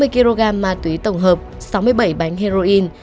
hai mươi kg ma túy tổng hợp sáu mươi bảy bánh heroin